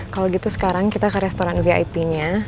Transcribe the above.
kalau gitu sekarang kita ke restoran vip nya